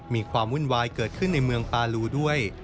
มีความวุ่นวายเกิดขึ้นในเมืองปาลูด้วย